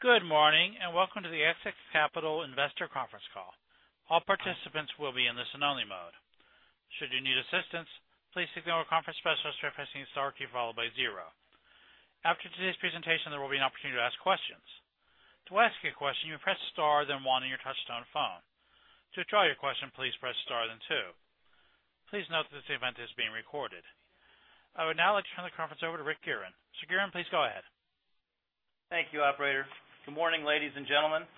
Good morning, and welcome to the AXIS Capital investor conference call. All participants will be in listen-only mode. Should you need assistance, please signal a conference specialist by pressing the star key followed by zero. After today's presentation, there will be an opportunity to ask questions. To ask a question, you press star, then one on your touch-tone phone. To withdraw your question, please press star, then two. Please note that this event is being recorded. I would now like to turn the conference over to Rick Gearan. Gearan, please go ahead. Thank you, operator. Good morning, ladies and gentlemen.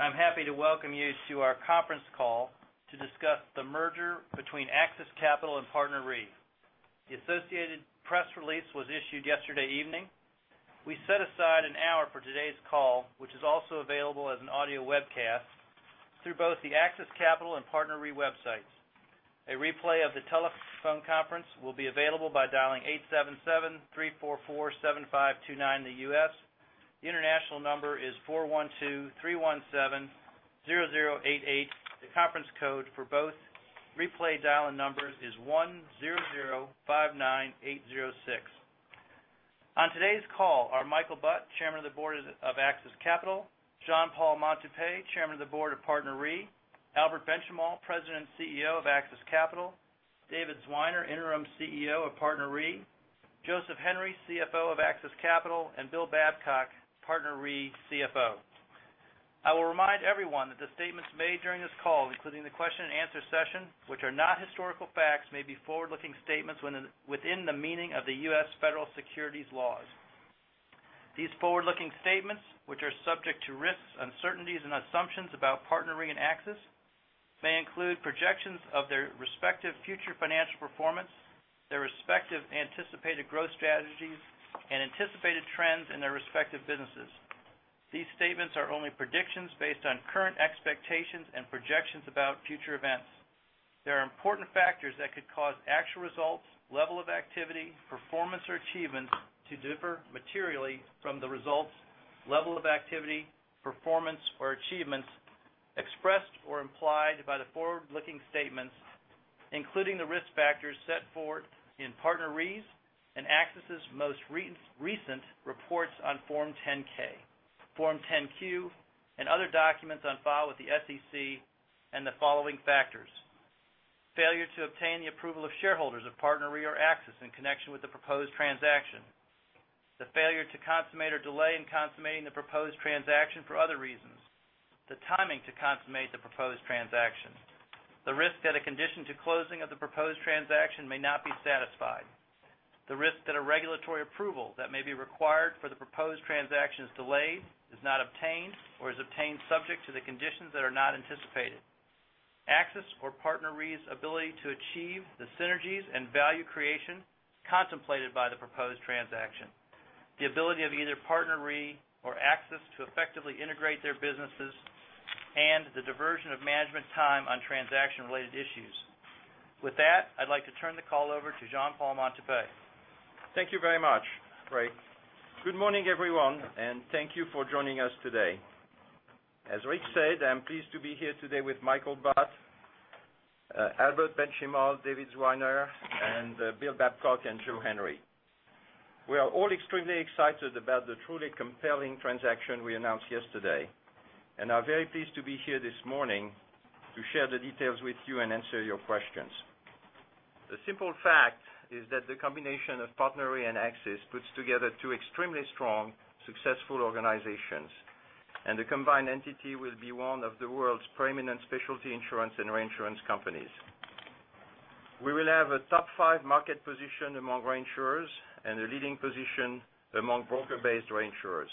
I'm happy to welcome you to our conference call to discuss the merger between AXIS Capital and PartnerRe. The associated press release was issued yesterday evening. We set aside an hour for today's call, which is also available as an audio webcast through both the AXIS Capital and PartnerRe websites. A replay of the telephone conference will be available by dialing 877-344-7529 in the U.S. The international number is 412-317-0088. The conference code for both replay dial-in numbers is 10059806. On today's call are Michael Butt, Chairman of the Board of AXIS Capital, Jean-Paul Montupet, Chairman of the Board of PartnerRe, Albert Benchimol, President and CEO of AXIS Capital, David Zwiener, Interim CEO of PartnerRe, Joseph Henry, CFO of AXIS Capital, and Bill Babcock, PartnerRe CFO. I will remind everyone that the statements made during this call, including the question and answer session, which are not historical facts, may be forward-looking statements within the meaning of the U.S. federal securities laws. These forward-looking statements, which are subject to risks, uncertainties, and assumptions about PartnerRe and AXIS, may include projections of their respective future financial performance, their respective anticipated growth strategies, and anticipated trends in their respective businesses. These statements are only predictions based on current expectations and projections about future events. There are important factors that could cause actual results, level of activity, performance, or achievements to differ materially from the results, level of activity, performance, or achievements expressed or implied by the forward-looking statements, including the risk factors set forth in PartnerRe's and AXIS' most recent reports on Form 10-K, Form 10-Q, and other documents on file with the SEC and the following factors. Failure to obtain the approval of shareholders of PartnerRe or AXIS in connection with the proposed transaction. The failure to consummate or delay in consummating the proposed transaction for other reasons. The timing to consummate the proposed transaction. The risk that a condition to closing of the proposed transaction may not be satisfied. The risk that a regulatory approval that may be required for the proposed transaction is delayed, is not obtained, or is obtained subject to the conditions that are not anticipated. AXIS or PartnerRe's ability to achieve the synergies and value creation contemplated by the proposed transaction. The ability of either PartnerRe or AXIS to effectively integrate their businesses and the diversion of management time on transaction-related issues. With that, I'd like to turn the call over to Jean-Paul Montupet. Thank you very much, Rick. Good morning, everyone, thank you for joining us today. As Rick said, I am pleased to be here today with Michael Butt, Albert Benchimol, David Zwiener, and Bill Babcock and Joe Henry. We are all extremely excited about the truly compelling transaction we announced yesterday and are very pleased to be here this morning to share the details with you and answer your questions. The simple fact is that the combination of PartnerRe and AXIS puts together two extremely strong, successful organizations, and the combined entity will be one of the world's preeminent specialty insurance and reinsurance companies. We will have a top 5 market position among reinsurers and a leading position among broker-based reinsurers.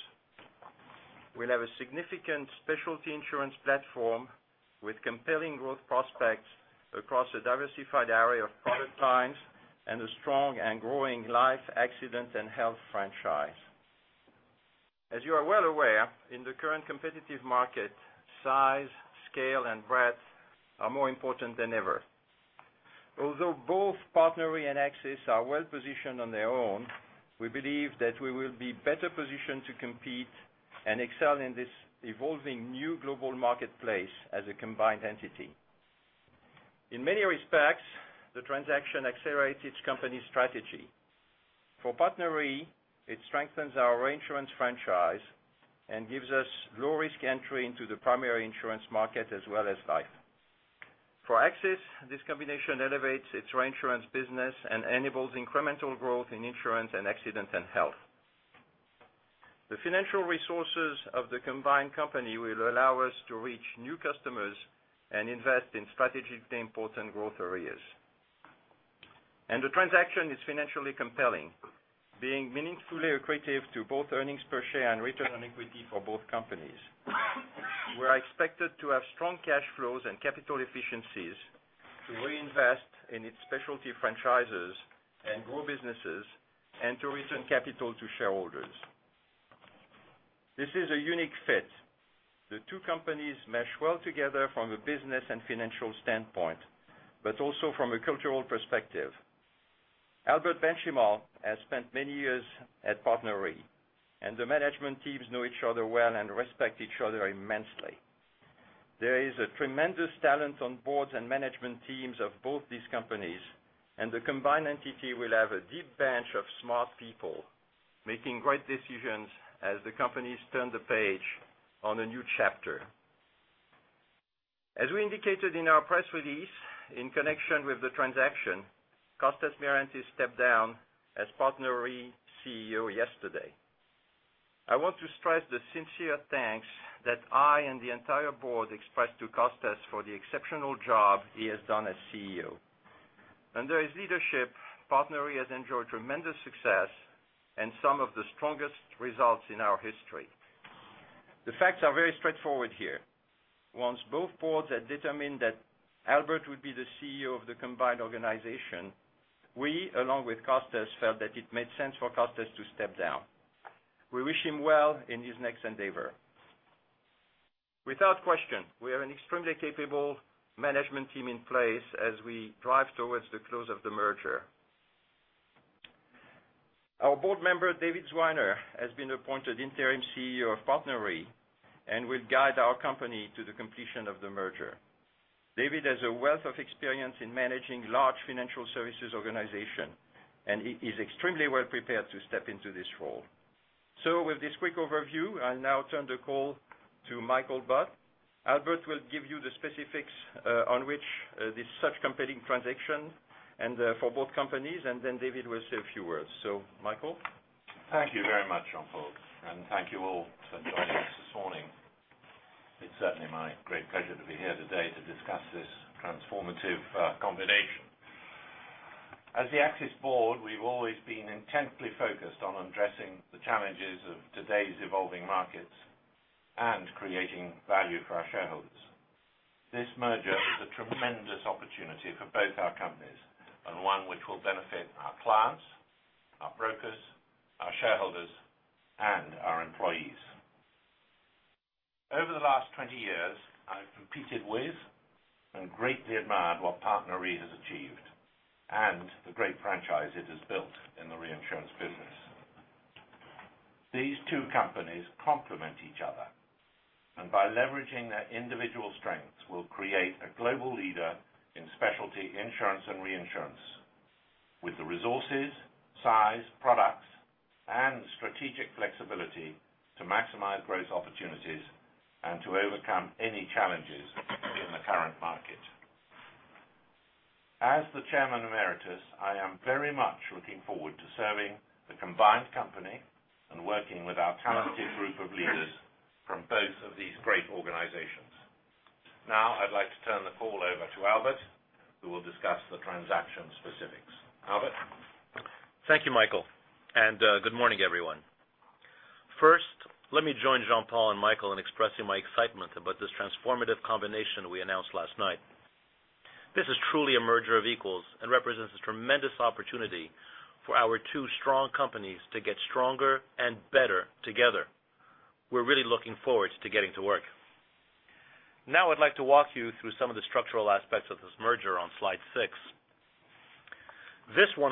We will have a significant specialty insurance platform with compelling growth prospects across a diversified area of product lines and a strong and growing life accident and health franchise. As you are well aware, in the current competitive market, size, scale, and breadth are more important than ever. Although both PartnerRe and AXIS are well-positioned on their own, we believe that we will be better positioned to compete and excel in this evolving new global marketplace as a combined entity. In many respects, the transaction accelerates each company's strategy. For PartnerRe, it strengthens our reinsurance franchise and gives us low-risk entry into the primary insurance market as well as life. For AXIS, this combination elevates its reinsurance business and enables incremental growth in insurance and accident and health. The financial resources of the combined company will allow us to reach new customers and invest in strategically important growth areas. The transaction is financially compelling, being meaningfully accretive to both earnings per share and return on equity for both companies. We are expected to have strong cash flows and capital efficiencies to reinvest in its specialty franchises and grow businesses and to return capital to shareholders. This is a unique fit. The two companies mesh well together from a business and financial standpoint, but also from a cultural perspective. Albert Benchimol has spent many years at PartnerRe, and the management teams know each other well and respect each other immensely. There is a tremendous talent on boards and management teams of both these companies, and the combined entity will have a deep bench of smart people making great decisions as the companies turn the page on a new chapter. As we indicated in our press release, in connection with the transaction, Costas Miranthis stepped down as PartnerRe CEO yesterday. I want to stress the sincere thanks that I and the entire board expressed to Costas for the exceptional job he has done as CEO. Under his leadership, PartnerRe has enjoyed tremendous success and some of the strongest results in our history. The facts are very straightforward here. Once both boards had determined that Albert would be the CEO of the combined organization, we, along with Costas, felt that it made sense for Costas to step down. We wish him well in his next endeavor. Without question, we have an extremely capable management team in place as we drive towards the close of the merger. Our board member, David Zwiener, has been appointed interim CEO of PartnerRe and will guide our company to the completion of the merger. David has a wealth of experience in managing large financial services organization, and he is extremely well prepared to step into this role. With this quick overview, I'll now turn the call to Michael Butt. Albert will give you the specifics on which this such compelling transaction and for both companies, and then David will say a few words. Michael? Thank you very much, Jean-Paul, and thank you all for joining us this morning. It's certainly my great pleasure to be here today to discuss this transformative combination. As the AXIS board, we've always been intently focused on addressing the challenges of today's evolving markets and creating value for our shareholders. This merger is a tremendous opportunity for both our companies and one which will benefit our clients, our brokers, our shareholders, and our employees. Over the last 20 years, I've competed with and greatly admired what PartnerRe has achieved and the great franchise it has built in the reinsurance business. These two companies complement each other, and by leveraging their individual strengths will create a global leader in specialty insurance and reinsurance with the resources, size, products, and strategic flexibility to maximize growth opportunities and to overcome any challenges in the current market. As the Chairman Emeritus, I am very much looking forward to serving the combined company and working with our talented group of leaders from both of these great organizations. Now I'd like to turn the call over to Albert, who will discuss the transaction specifics. Albert? Thank you, Michael, and good morning, everyone. First, let me join Jean-Paul and Michael in expressing my excitement about this transformative combination we announced last night. This is truly a merger of equals and represents a tremendous opportunity for our two strong companies to get stronger and better together. We're really looking forward to getting to work. Now I'd like to walk you through some of the structural aspects of this merger on slide six. This 100%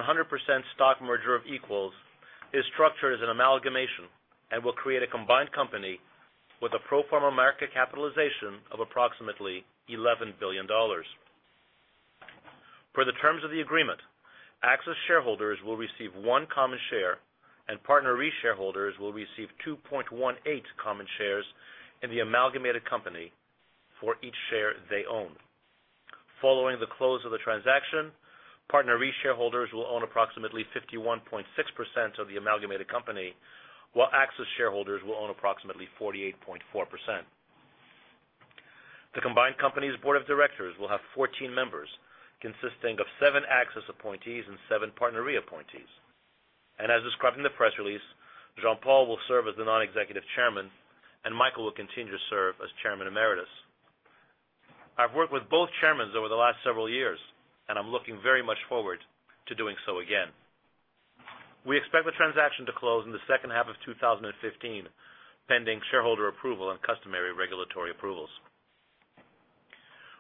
stock merger of equals is structured as an amalgamation and will create a combined company with a pro forma market capitalization of approximately $11 billion. Per the terms of the agreement, AXIS shareholders will receive one common share, and PartnerRe shareholders will receive 2.18 common shares in the amalgamated company for each share they own. Following the close of the transaction, PartnerRe shareholders will own approximately 51.6% of the amalgamated company, while AXIS shareholders will own approximately 48.4%. The combined company's board of directors will have 14 members, consisting of seven AXIS appointees and seven PartnerRe appointees. As described in the press release, Jean-Paul will serve as the non-executive chairman, and Michael will continue to serve as chairman emeritus. I've worked with both chairmen over the last several years, and I'm looking very much forward to doing so again. We expect the transaction to close in the second half of 2015, pending shareholder approval and customary regulatory approvals.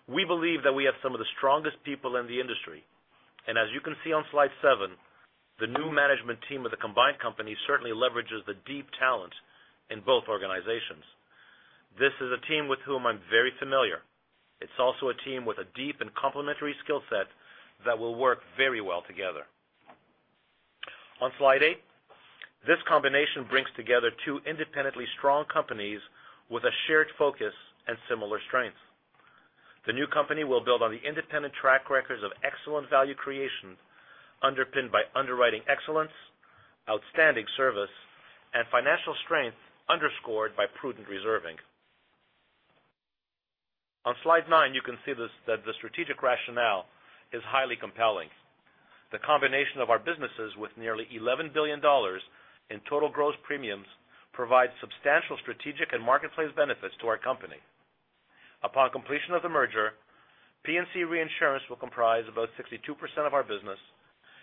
We believe that we have some of the strongest people in the industry. As you can see on slide seven, the new management team of the combined company certainly leverages the deep talent in both organizations. This is a team with whom I'm very familiar. It's also a team with a deep and complementary skill set that will work very well together. On slide eight, this combination brings together two independently strong companies with a shared focus and similar strengths. The new company will build on the independent track records of excellent value creation underpinned by underwriting excellence, outstanding service, and financial strength underscored by prudent reserving. On slide nine, you can see that the strategic rationale is highly compelling. The combination of our businesses with nearly $11 billion in total gross premiums provides substantial strategic and marketplace benefits to our company. Upon completion of the merger, P&C reinsurance will comprise about 62% of our business,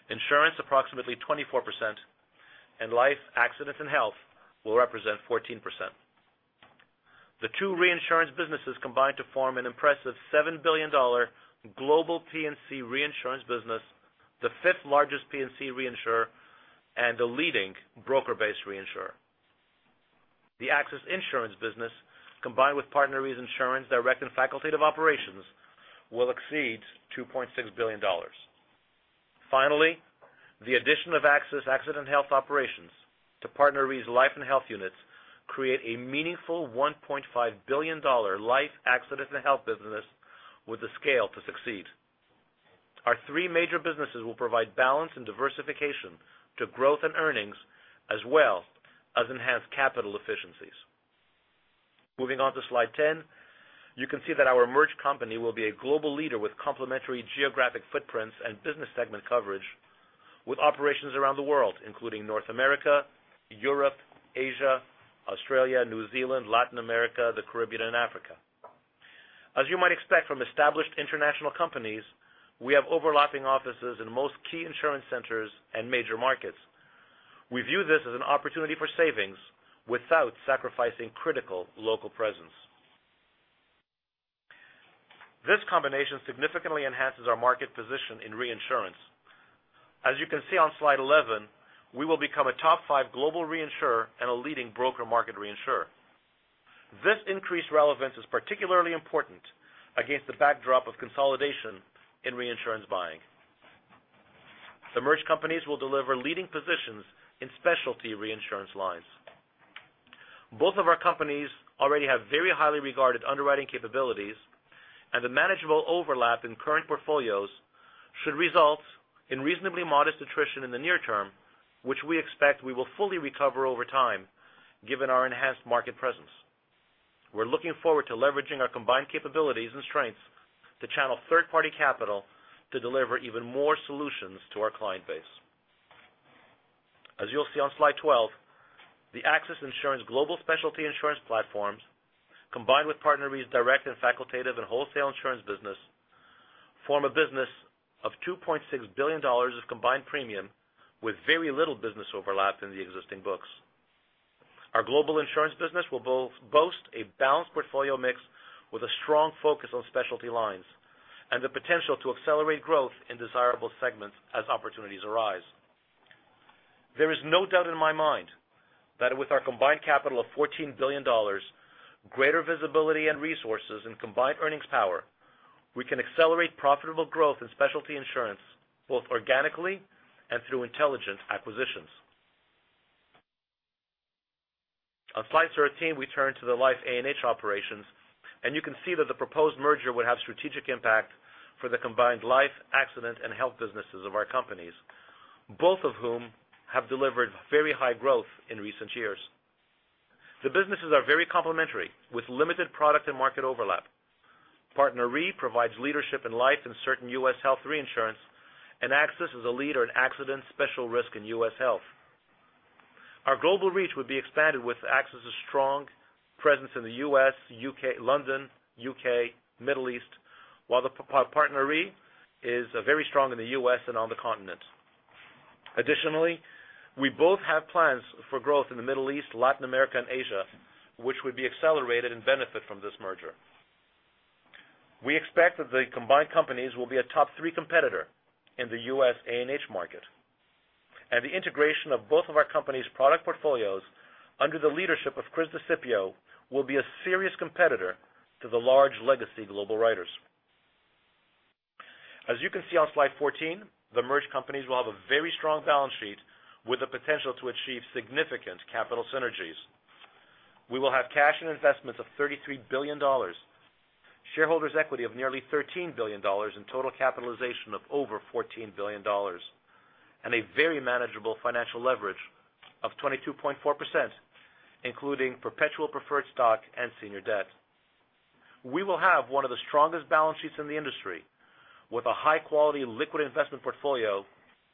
insurance approximately 24%, and life, accident, and health will represent 14%. The two reinsurance businesses combine to form an impressive $7 billion global P&C reinsurance business, the fifth largest P&C reinsurer. A leading broker-based reinsurer. The AXIS insurance business, combined with PartnerRe's insurance direct and facultative operations, will exceed $2.6 billion. Finally, the addition of AXIS Accident Health operations to PartnerRe's life & health units create a meaningful $1.5 billion life, accident, and health business with the scale to succeed. Our three major businesses will provide balance and diversification to growth and earnings, as well as enhanced capital efficiencies. Moving on to slide 10, you can see that our merged company will be a global leader with complementary geographic footprints and business segment coverage with operations around the world, including North America, Europe, Asia, Australia, New Zealand, Latin America, the Caribbean, and Africa. As you might expect from established international companies, we have overlapping offices in most key insurance centers and major markets. We view this as an opportunity for savings without sacrificing critical local presence. This combination significantly enhances our market position in reinsurance. As you can see on slide 11, we will become a top five global reinsurer and a leading broker market reinsurer. This increased relevance is particularly important against the backdrop of consolidation in reinsurance buying. The merged companies will deliver leading positions in specialty reinsurance lines. Both of our companies already have very highly regarded underwriting capabilities, and the manageable overlap in current portfolios should result in reasonably modest attrition in the near term, which we expect we will fully recover over time given our enhanced market presence. We're looking forward to leveraging our combined capabilities and strengths to channel third-party capital to deliver even more solutions to our client base. As you'll see on slide 12, the AXIS insurance global specialty insurance platforms, combined with PartnerRe's direct and facultative and wholesale insurance business, form a business of $2.6 billion of combined premium with very little business overlap in the existing books. Our global insurance business will boast a balanced portfolio mix with a strong focus on specialty lines and the potential to accelerate growth in desirable segments as opportunities arise. There is no doubt in my mind that with our combined capital of $14 billion, greater visibility and resources, and combined earnings power, we can accelerate profitable growth in specialty insurance, both organically and through intelligent acquisitions. On slide 13, we turn to the life A&H operations. You can see that the proposed merger would have strategic impact for the combined life, accident, and health businesses of our companies, both of whom have delivered very high growth in recent years. The businesses are very complementary, with limited product and market overlap. PartnerRe provides leadership in life and certain U.S. health reinsurance, and AXIS is a leader in accident, special risk, and U.S. health. Our global reach would be expanded with AXIS's strong presence in the U.S., London, U.K., Middle East, while PartnerRe is very strong in the U.S. and on the continent. Additionally, we both have plans for growth in the Middle East, Latin America, and Asia, which would be accelerated and benefit from this merger. We expect that the combined companies will be a top three competitor in the U.S. A&H market. The integration of both of our companies' product portfolios under the leadership of Chris DiCipio will be a serious competitor to the large legacy global writers. As you can see on slide 14, the merged companies will have a very strong balance sheet with the potential to achieve significant capital synergies. We will have cash and investments of $33 billion, shareholders' equity of nearly $13 billion and total capitalization of over $14 billion and a very manageable financial leverage of 22.4%, including perpetual preferred stock and senior debt. We will have one of the strongest balance sheets in the industry with a high-quality liquid investment portfolio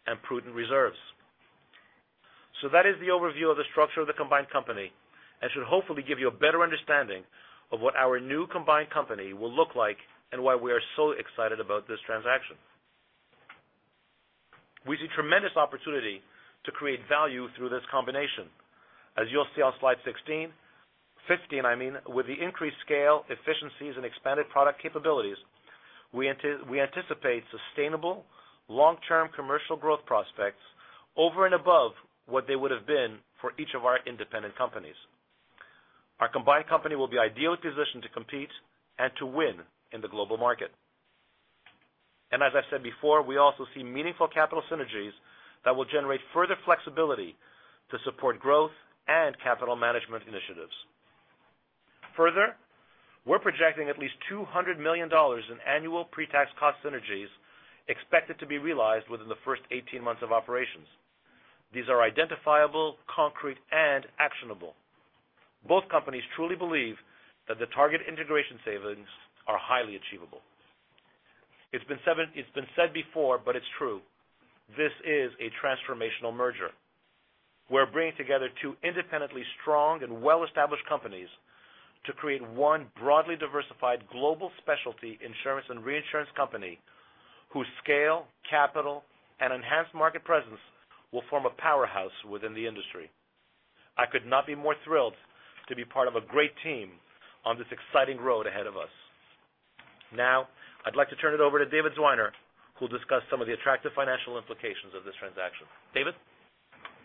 and prudent reserves. That is the overview of the structure of the combined company and should hopefully give you a better understanding of what our new combined company will look like and why we are so excited about this transaction. As you'll see on slide 15, with the increased scale, efficiencies, and expanded product capabilities, we anticipate sustainable long-term commercial growth prospects over and above what they would have been for each of our independent companies. Our combined company will be ideally positioned to compete and to win in the global market. As I said before, we also see meaningful capital synergies that will generate further flexibility to support growth and capital management initiatives. Further, we're projecting at least $200 million in annual pre-tax cost synergies expected to be realized within the first 18 months of operations. These are identifiable, concrete, and actionable. Both companies truly believe that the target integration savings are highly achievable. It's been said before, but it's true, this is a transformational merger. We're bringing together two independently strong and well-established companies to create one broadly diversified global specialty insurance and reinsurance company whose scale, capital, and enhanced market presence will form a powerhouse within the industry. I could not be more thrilled to be part of a great team on this exciting road ahead of us. Now I'd like to turn it over to David Zwiener, who'll discuss some of the attractive financial implications of this transaction. David?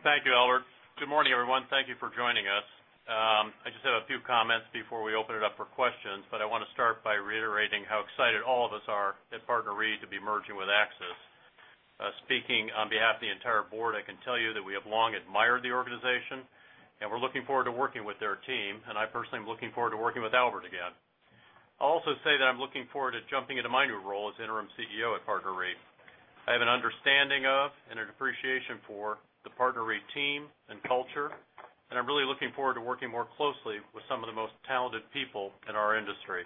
Thank you, Albert. Good morning, everyone. Thank you for joining us. I just have a few comments before we open it up for questions. I want to start by reiterating how excited all of us are at PartnerRe to be merging with AXIS. Speaking on behalf of the entire board, I can tell you that we have long admired the organization. We're looking forward to working with their team. I personally am looking forward to working with Albert again. I'll also say that I'm looking forward to jumping into my new role as Interim CEO at PartnerRe. I have an understanding of and an appreciation for the PartnerRe team and culture. I'm really looking forward to working more closely with some of the most talented people in our industry.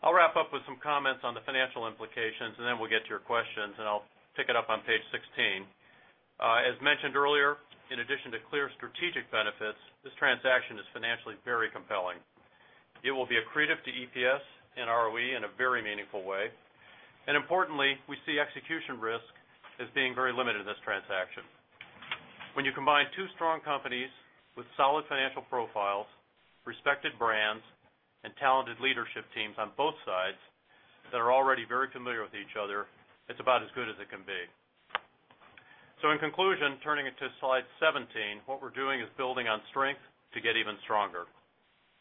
I'll wrap up with some comments on the financial implications. We'll get to your questions. I'll pick it up on page 16. As mentioned earlier, in addition to clear strategic benefits, this transaction is financially very compelling. It will be accretive to EPS and ROE in a very meaningful way. Importantly, we see execution risk as being very limited in this transaction. When you combine two strong companies with solid financial profiles, respected brands, and talented leadership teams on both sides that are already very familiar with each other, it's about as good as it can be. In conclusion, turning it to slide 17, what we're doing is building on strength to get even stronger.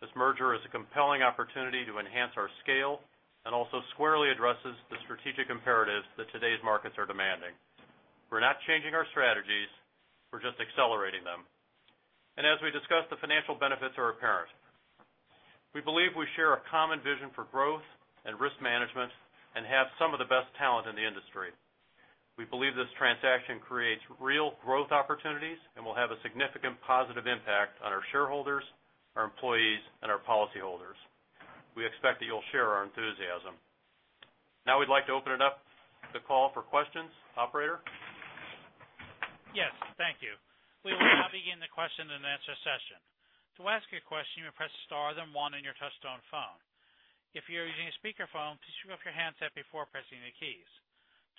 This merger is a compelling opportunity to enhance our scale. Also squarely addresses the strategic imperatives that today's markets are demanding. We're not changing our strategies. We're just accelerating them. As we discussed, the financial benefits are apparent. We believe we share a common vision for growth and risk management and have some of the best talent in the industry. We believe this transaction creates real growth opportunities and will have a significant positive impact on our shareholders, our employees, and our policyholders. We expect that you'll share our enthusiasm. Now we'd like to open it up to the call for questions. Operator? Yes. Thank you. We will now begin the question-and-answer session. To ask a question, you press star then one on your touchtone phone. If you are using a speakerphone, please pick up your handset before pressing the keys.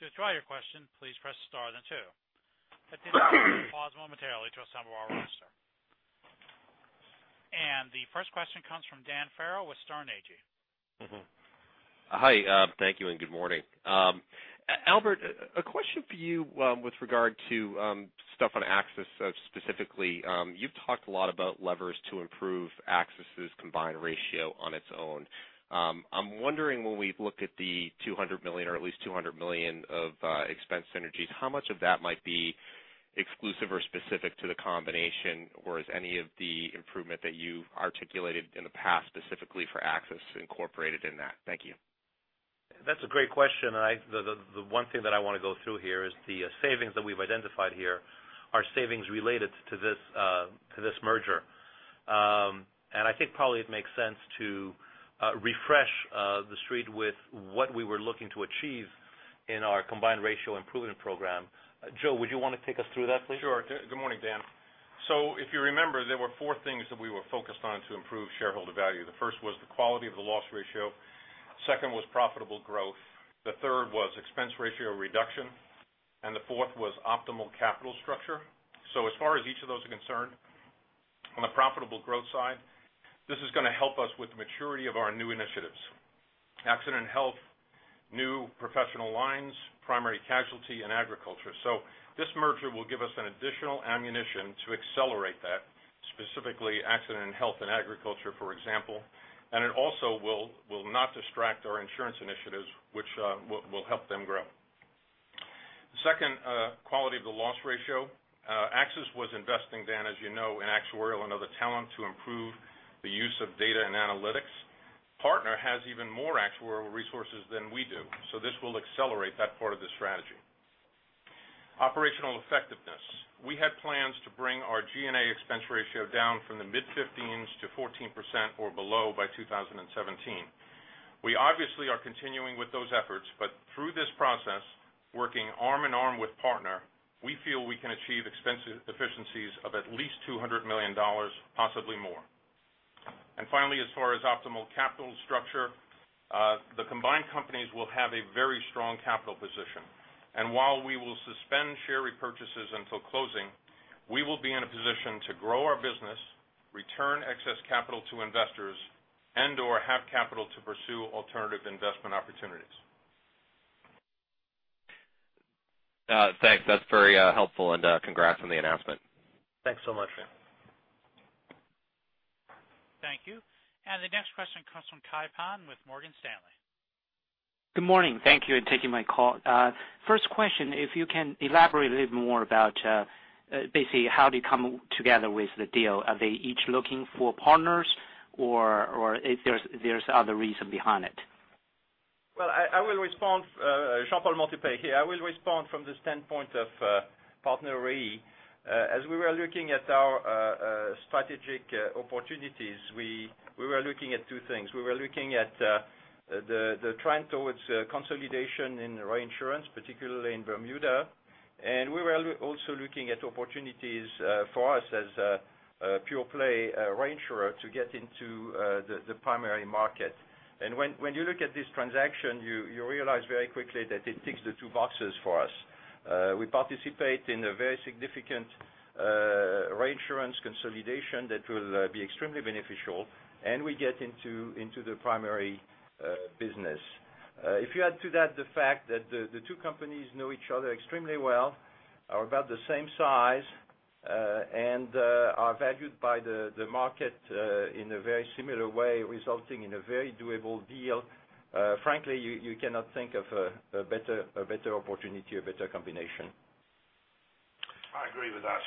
To withdraw your question, please press star then two. At the end of the question, pause momentarily to assemble our roster. The first question comes from Dan Farrell with Sterne Agee. Hi, thank you and good morning. Albert, a question for you with regard to stuff on AXIS specifically. You've talked a lot about levers to improve AXIS' combined ratio on its own. I am wondering when we look at the $200 million or at least $200 million of expense synergies, how much of that might be exclusive or specific to the combination? Or is any of the improvement that you've articulated in the past specifically for AXIS incorporated in that? Thank you. That's a great question. The one thing that I want to go through here is the savings that we've identified here are savings related to this merger. I think probably it makes sense to refresh the street with what we were looking to achieve in our combined ratio improvement program. Joe, would you want to take us through that, please? Sure. Good morning, Dan. If you remember, there were four things that we were focused on to improve shareholder value. The first was the quality of the loss ratio. Second was profitable growth. The third was expense ratio reduction. The fourth was optimal capital structure. As far as each of those are concerned, on the profitable growth side, this is going to help us with the maturity of our new initiatives, accident health, new professional lines, primary casualty, and agriculture. This merger will give us an additional ammunition to accelerate that, specifically accident health and agriculture, for example, and it also will not distract our insurance initiatives, which will help them grow. The second, quality of the loss ratio. AXIS was investing, Dan, as you know, in actuarial and other talent to improve the use of data and analytics. Partner has even more actuarial resources than we do, so this will accelerate that part of the strategy. Operational effectiveness. We had plans to bring our G&A expense ratio down from the mid-15s to 14% or below by 2017. We obviously are continuing with those efforts, but through this process, working arm in arm with Partner, we feel we can achieve expense efficiencies of at least $200 million, possibly more. Finally, as far as optimal capital structure, the combined companies will have a very strong capital position. While we will suspend share repurchases until closing, we will be in a position to grow our business, return excess capital to investors and/or have capital to pursue alternative investment opportunities. Thanks. That's very helpful, congrats on the announcement. Thanks so much. Thank you. The next question comes from Kai Pan with Morgan Stanley. Good morning. Thank you for taking my call. First question, if you can elaborate a little more about basically how they come together with the deal. Are they each looking for partners or if there's another reason behind it? Well, I will respond. Jean-Paul Montupet here. I will respond from the standpoint of PartnerRe. As we were looking at our strategic opportunities, we were looking at two things. We were looking at the trend towards consolidation in reinsurance, particularly in Bermuda, and we were also looking at opportunities for us as a pure play reinsurer to get into the primary market. When you look at this transaction, you realize very quickly that it ticks the two boxes for us. We participate in a very significant reinsurance consolidation that will be extremely beneficial, and we get into the primary business. If you add to that the fact that the two companies know each other extremely well, are about the same size, and are valued by the market in a very similar way, resulting in a very doable deal, frankly, you cannot think of a better opportunity or better combination. I agree with that.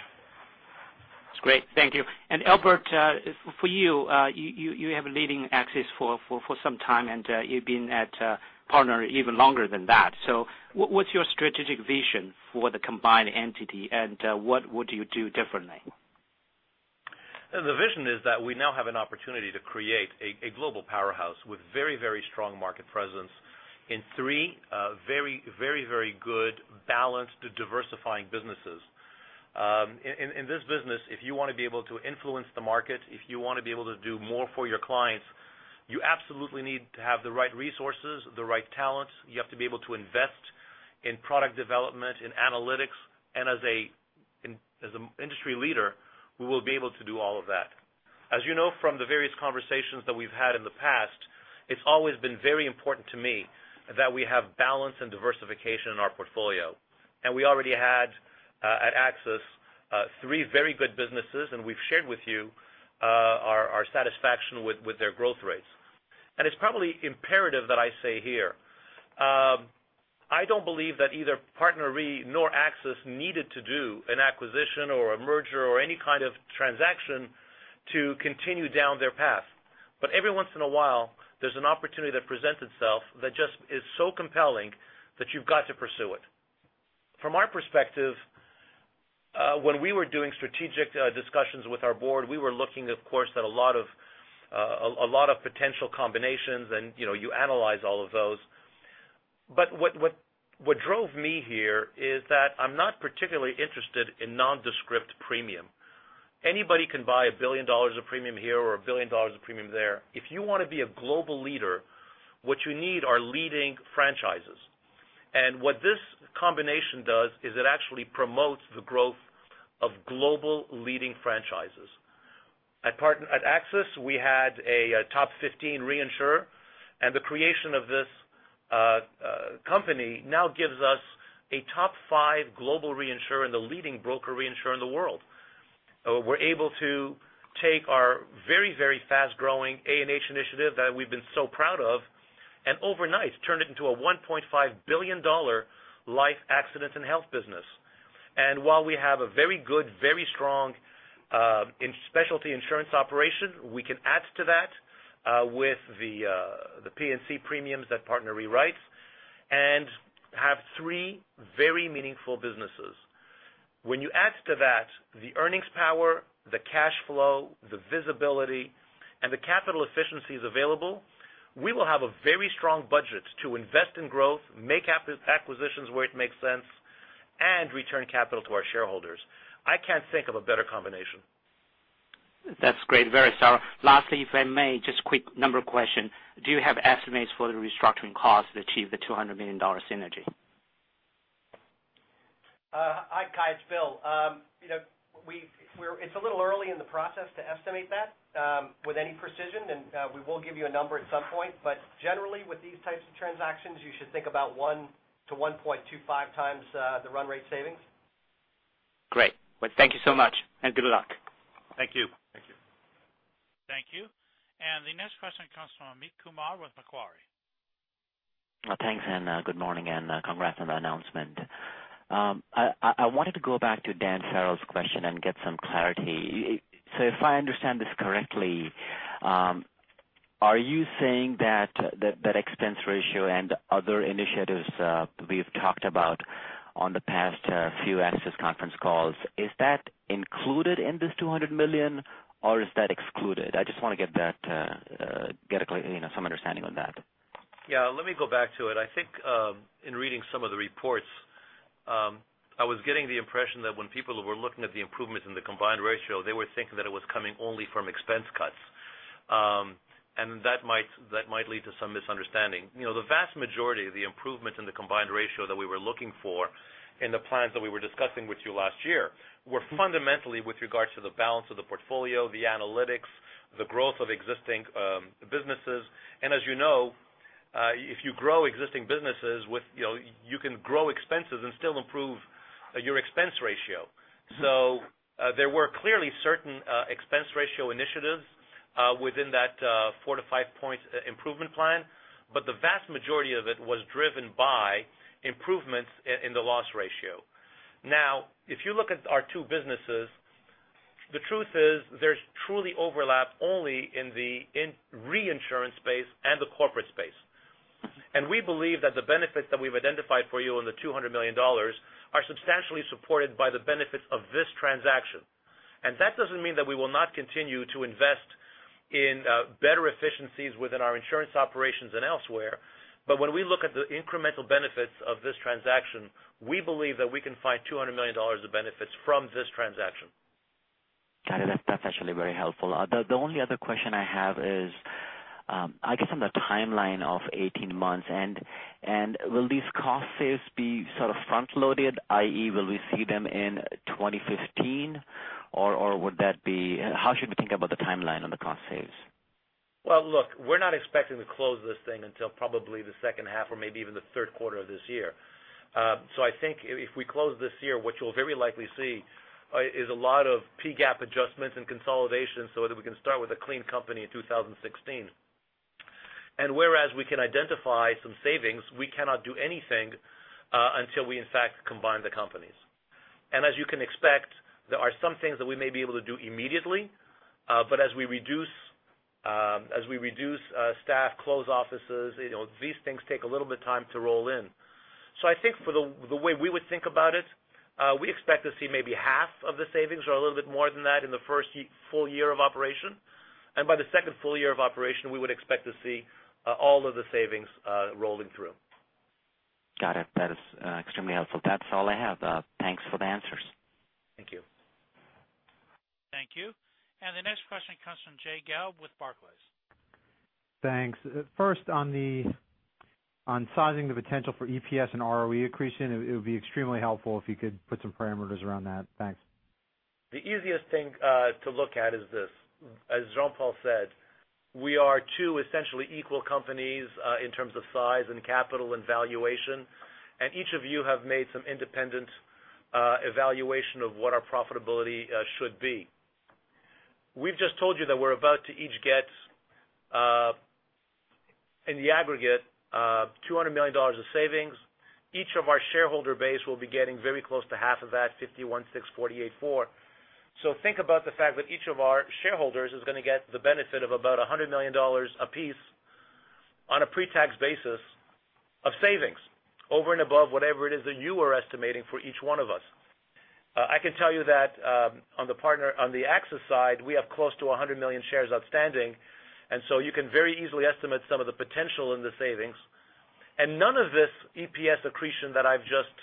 That's great. Thank you. Albert, for you have a leading AXIS for some time, and you've been at PartnerRe even longer than that. What's your strategic vision for the combined entity, and what would you do differently? The vision is that we now have an opportunity to create a global powerhouse with very strong market presence in three very good balanced to diversifying businesses. In this business, if you want to be able to influence the market, if you want to be able to do more for your clients, you absolutely need to have the right resources, the right talent. You have to be able to invest in product development, in analytics, and as an industry leader, we will be able to do all of that. As you know from the various conversations that we've had in the past, it's always been very important to me that we have balance and diversification in our portfolio. We already had at AXIS three very good businesses, and we've shared with you our satisfaction with their growth rates. It's probably imperative that I say here, I don't believe that either PartnerRe nor AXIS needed to do an acquisition or a merger or any kind of transaction to continue down their path. Every once in a while, there's an opportunity that presents itself that just is so compelling that you've got to pursue it. From our perspective, when we were doing strategic discussions with our board, we were looking, of course, at a lot of potential combinations and you analyze all of those. What drove me here is that I'm not particularly interested in nondescript premium. Anybody can buy $1 billion of premium here or $1 billion of premium there. If you want to be a global leader, what you need are leading franchises. What this combination does is it actually promotes the growth of global leading franchises. At AXIS, we had a top 15 reinsurer, and the creation of this company now gives us a top five global reinsurer and the leading broker reinsurer in the world. We're able to take our very fast-growing A&H initiative that we've been so proud of, and overnight turn it into a $1.5 billion life, accident, and health business. While we have a very good, very strong specialty insurance operation, we can add to that with the P&C premiums that PartnerRe writes and have three very meaningful businesses. When you add to that the earnings power, the cash flow, the visibility, and the capital efficiencies available, we will have a very strong budget to invest in growth, make acquisitions where it makes sense, and return capital to our shareholders. I can't think of a better combination. That's great. Very thorough. Lastly, if I may, just quick number question. Do you have estimates for the restructuring cost to achieve the $200 million synergy? Hi, Kai. It's Bill. It's a little early in the process to estimate that with any precision, and we will give you a number at some point. Generally, with these types of transactions, you should think about one to 1.25 times the run rate savings. Great. Well, thank you so much, good luck. Thank you. Thank you. Thank you. The next question comes from Amit Kumar with Macquarie. Thanks, good morning, congrats on the announcement. I wanted to go back to Dan Farrell's question and get some clarity. If I understand this correctly, are you saying that expense ratio and other initiatives we've talked about on the past few AXIS conference calls, is that included in this $200 million, or is that excluded? I just want to get some understanding on that. Yeah. Let me go back to it. I think in reading some of the reports, I was getting the impression that when people were looking at the improvements in the combined ratio, they were thinking that it was coming only from expense cuts. That might lead to some misunderstanding. The vast majority of the improvements in the combined ratio that we were looking for in the plans that we were discussing with you last year were fundamentally with regards to the balance of the portfolio, the analytics, the growth of existing businesses. As you know, if you grow existing businesses, you can grow expenses and still improve your expense ratio. There were clearly certain expense ratio initiatives within that four to five-point improvement plan, but the vast majority of it was driven by improvements in the loss ratio. If you look at our two businesses, the truth is there's truly overlap only in the reinsurance space and the corporate space. We believe that the benefits that we've identified for you in the $200 million are substantially supported by the benefits of this transaction. That doesn't mean that we will not continue to invest in better efficiencies within our insurance operations and elsewhere. When we look at the incremental benefits of this transaction, we believe that we can find $200 million of benefits from this transaction. Got it. That's actually very helpful. The only other question I have is, I guess on the timeline of 18 months, and will these cost saves be sort of front-loaded, i.e., will we see them in 2015? How should we think about the timeline on the cost saves? Well, look, we're not expecting to close this thing until probably the second half or maybe even the third quarter of this year. I think if we close this year, what you'll very likely see is a lot of PGAAP adjustments and consolidation so that we can start with a clean company in 2016. Whereas we can identify some savings, we cannot do anything until we in fact combine the companies. As you can expect, there are some things that we may be able to do immediately, but as we reduce staff, close offices, these things take a little bit of time to roll in. I think for the way we would think about it, we expect to see maybe half of the savings or a little bit more than that in the first full year of operation. By the second full year of operation, we would expect to see all of the savings rolling through. Got it. That is extremely helpful. That's all I have. Thanks for the answers. Thank you. Thank you. The next question comes from Jay Gelb with Barclays. Thanks. First, on sizing the potential for EPS and ROE accretion, it would be extremely helpful if you could put some parameters around that. Thanks. The easiest thing to look at is this. As Jean-Paul said, we are two essentially equal companies in terms of size and capital and valuation. Each of you have made some independent evaluation of what our profitability should be. We've just told you that we're about to each get, in the aggregate, $200 million of savings. Each of our shareholder base will be getting very close to half of that, 51 6 48 4. Think about the fact that each of our shareholders is going to get the benefit of about $100 million a piece on a pre-tax basis of savings over and above whatever it is that you are estimating for each one of us. I can tell you that on the AXIS side, we have close to 100 million shares outstanding, you can very easily estimate some of the potential in the savings. None of this EPS accretion that I've just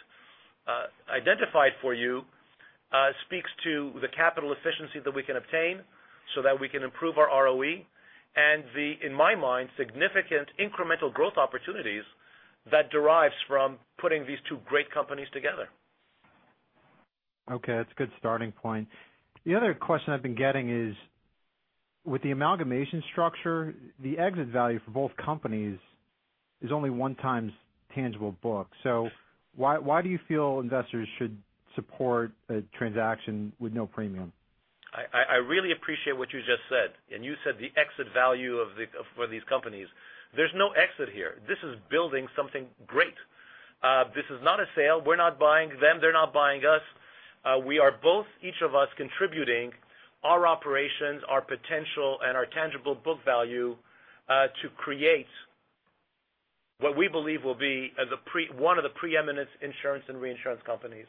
identified for you speaks to the capital efficiency that we can obtain so that we can improve our ROE, and the, in my mind, significant incremental growth opportunities that derives from putting these two great companies together. Okay. That's a good starting point. The other question I've been getting is, with the amalgamation structure, the exit value for both companies is only 1 times tangible books. Why do you feel investors should support a transaction with no premium? I really appreciate what you just said. You said the exit value for these companies. There's no exit here. This is building something great. This is not a sale. We're not buying them, they're not buying us. We are both, each of us, contributing our operations, our potential, and our tangible book value to create what we believe will be one of the preeminent insurance and reinsurance companies.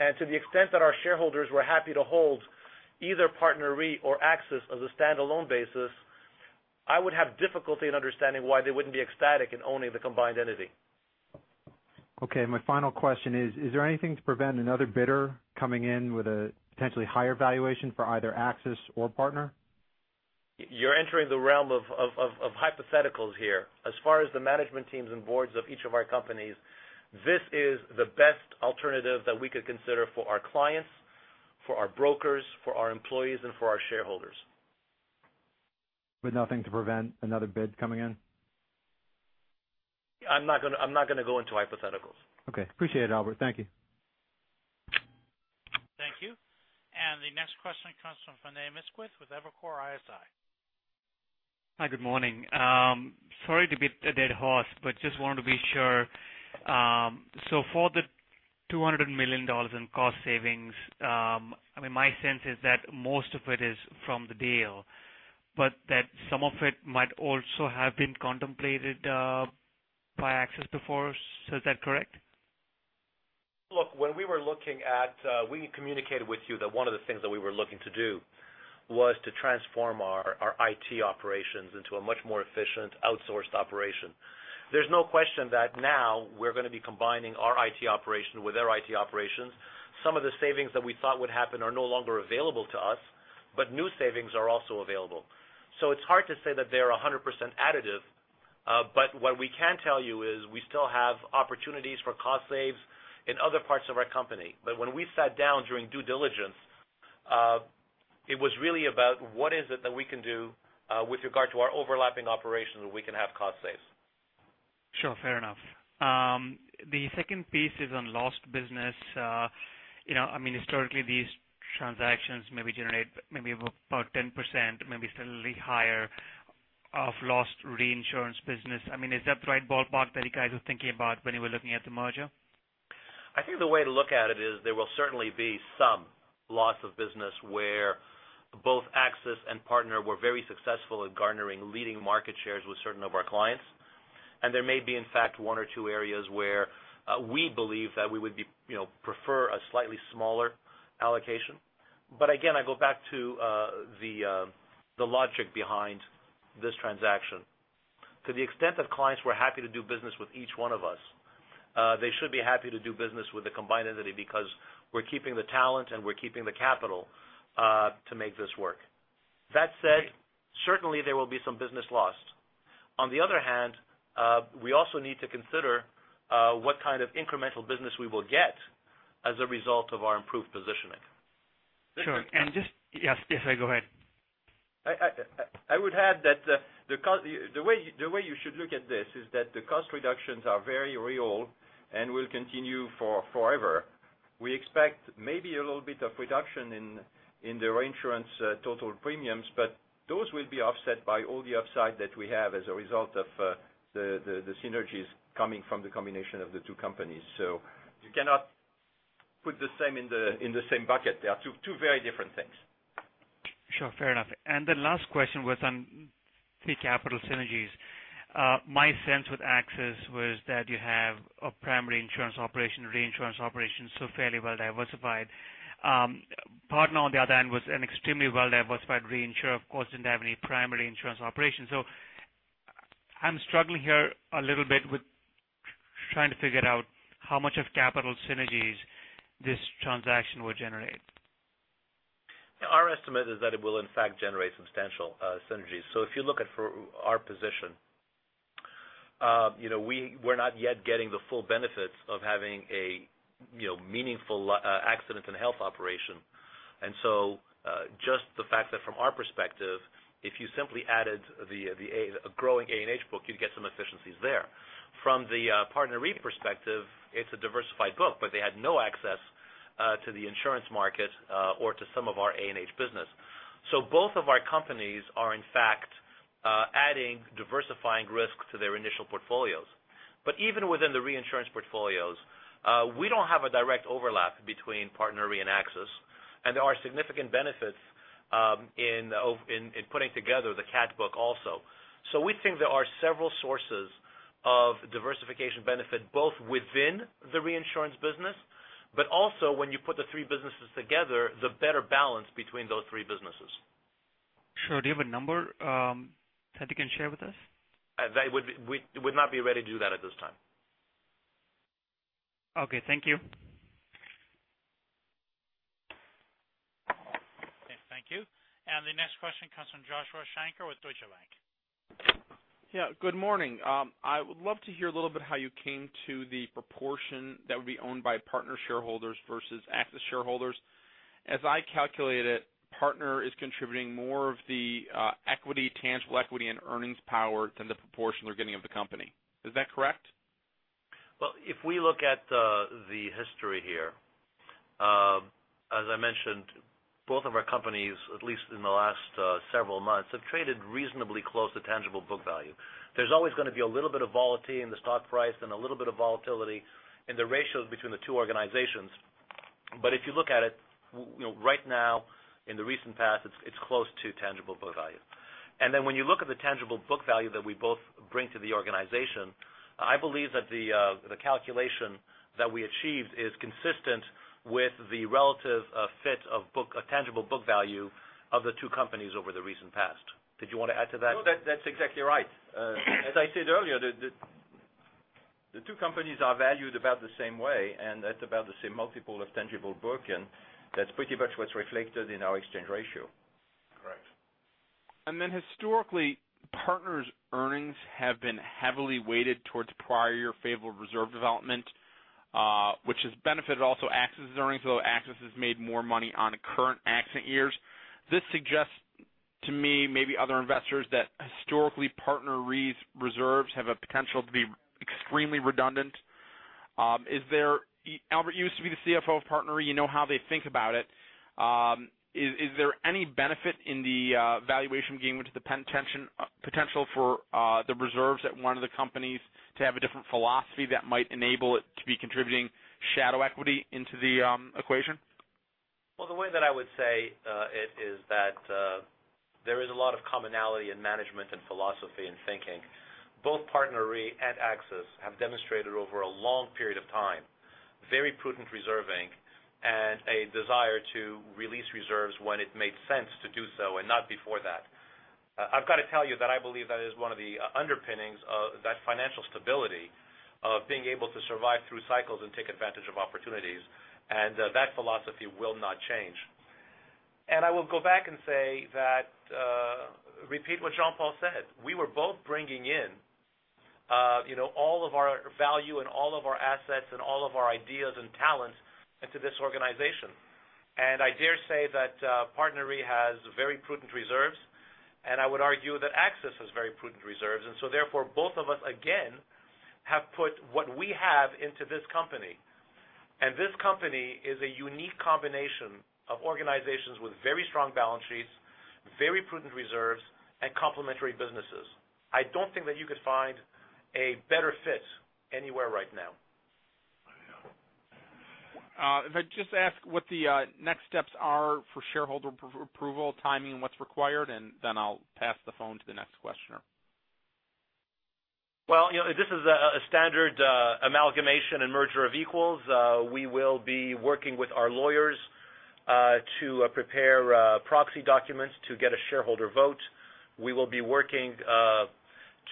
To the extent that our shareholders were happy to hold either PartnerRe or AXIS as a standalone basis, I would have difficulty in understanding why they wouldn't be ecstatic in owning the combined entity. My final question is there anything to prevent another bidder coming in with a potentially higher valuation for either AXIS or Partner? You're entering the realm of hypotheticals here. As far as the management teams and boards of each of our companies, this is the best alternative that we could consider for our clients, for our brokers, for our employees, and for our shareholders. Nothing to prevent another bid coming in? I'm not going to go into hypotheticals. Okay. Appreciate it, Albert. Thank you. Thank you. The next question comes from Vinay Misquith with Evercore ISI. Hi, good morning. Sorry to beat a dead horse, but just wanted to be sure. For the $200 million in cost savings, my sense is that most of it is from the deal, but that some of it might also have been contemplated by AXIS before. Is that correct? Look, when we were looking at, we communicated with you that one of the things that we were looking to do was to transform our IT operations into a much more efficient outsourced operation. There's no question that now we're going to be combining our IT operation with their IT operations. Some of the savings that we thought would happen are no longer available to us, but new savings are also available. It's hard to say that they are 100% additive. What we can tell you is we still have opportunities for cost saves in other parts of our company. When we sat down during due diligence, it was really about what is it that we can do with regard to our overlapping operations where we can have cost saves. Sure, fair enough. The second piece is on lost business. I mean, historically these transactions maybe generate maybe about 10%, maybe slightly higher of lost reinsurance business. Is that the right ballpark that you guys were thinking about when you were looking at the merger? I think the way to look at it is there will certainly be some loss of business where both AXIS and Partner were very successful at garnering leading market shares with certain of our clients. There may be, in fact, one or two areas where we believe that we would prefer a slightly smaller allocation. Again, I go back to the logic behind this transaction. To the extent that clients were happy to do business with each one of us, they should be happy to do business with the combined entity because we're keeping the talent, and we're keeping the capital to make this work. That said, certainly there will be some business lost. On the other hand, we also need to consider what kind of incremental business we will get as a result of our improved positioning. Sure. Yes, go ahead. I would add that the way you should look at this is that the cost reductions are very real and will continue forever. We expect maybe a little bit of reduction in the reinsurance total premiums, but those will be offset by all the upside that we have as a result of the synergies coming from the combination of the two companies. You cannot put the same in the same bucket. They are two very different things. Sure. Fair enough. The last question was on the capital synergies. My sense with AXIS was that you have a primary insurance operation, reinsurance operations, so fairly well diversified. PartnerRe, on the other hand, was an extremely well-diversified reinsurer, of course, didn't have any primary insurance operations. I'm struggling here a little bit with trying to figure out how much of capital synergies this transaction will generate. Our estimate is that it will in fact generate substantial synergies. If you look at our position, we're not yet getting the full benefits of having a meaningful accident and health operation. Just the fact that from our perspective, if you simply added a growing A&H book, you'd get some efficiencies there. From the PartnerRe perspective, it's a diversified book, but they had no access to the insurance market or to some of our A&H business. Both of our companies are, in fact, adding diversifying risk to their initial portfolios. Even within the reinsurance portfolios, we don't have a direct overlap between PartnerRe and AXIS, and there are significant benefits in putting together the cat book also. We think there are several sources of diversification benefit both within the reinsurance business, but also when you put the three businesses together, the better balance between those three businesses. Sure. Do you have a number that you can share with us? We would not be ready to do that at this time. Okay. Thank you. Okay. Thank you. The next question comes from Joshua Shanker with Deutsche Bank. Yeah. Good morning. I would love to hear a little bit how you came to the proportion that would be owned by Partner shareholders versus AXIS shareholders. As I calculate it, Partner is contributing more of the tangible equity and earnings power than the proportion they're getting of the company. Is that correct? If we look at the history here, as I mentioned, both of our companies, at least in the last several months, have traded reasonably close to tangible book value. There's always going to be a little bit of volatility in the stock price and a little bit of volatility in the ratios between the two organizations. If you look at it right now, in the recent past, it's close to tangible book value. When you look at the tangible book value that we both bring to the organization, I believe that the calculation that we achieved is consistent with the relative fit of tangible book value of the two companies over the recent past. Did you want to add to that? No, that's exactly right. As I said earlier, the two companies are valued about the same way, and at about the same multiple of tangible book, and that's pretty much what's reflected in our exchange ratio. Correct. Historically, PartnerRe's earnings have been heavily weighted towards prior year favorable reserve development, which has benefited also AXIS' earnings, although AXIS has made more money on current accident years. This suggests to me, maybe other investors, that historically, PartnerRe's reserves have a potential to be extremely redundant. Albert, you used to be the CFO of PartnerRe. You know how they think about it. Is there any benefit in the valuation game with the potential for the reserves at one of the companies to have a different philosophy that might enable it to be contributing shadow equity into the equation? The way that I would say it is that there is a lot of commonality in management and philosophy and thinking. Both PartnerRe and AXIS have demonstrated over a long period of time, very prudent reserving and a desire to release reserves when it made sense to do so and not before that. I've got to tell you that I believe that is one of the underpinnings of that financial stability of being able to survive through cycles and take advantage of opportunities, and that philosophy will not change. I will go back and say that, repeat what Jean-Paul said. We were both bringing in all of our value and all of our assets and all of our ideas and talents into this organization. I dare say that PartnerRe has very prudent reserves, I would argue that AXIS has very prudent reserves, therefore, both of us, again, have put what we have into this company. This company is a unique combination of organizations with very strong balance sheets, very prudent reserves, and complementary businesses. I don't think that you could find a better fit anywhere right now. If I could just ask what the next steps are for shareholder approval timing and what's required, then I'll pass the phone to the next questioner. Well, this is a standard amalgamation and merger of equals. We will be working with our lawyers to prepare proxy documents to get a shareholder vote. We will be working